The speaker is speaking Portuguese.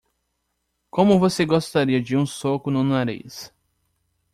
Como você gostaria de um soco no nariz?